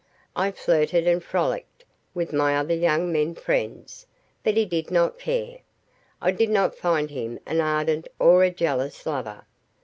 I flirted and frolicked with my other young men friends, but he did not care. I did not find him an ardent or a jealous lover.